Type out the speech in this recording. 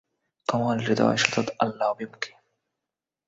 কোমল-হৃদয়, সতত আল্লাহ অভিমুখী।